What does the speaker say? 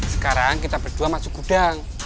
sekarang kita berdua masuk gudang